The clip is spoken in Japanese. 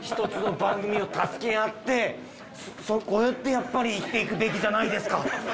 １つの番組を助け合ってこうやってやっぱり生きていくべきじゃないですか。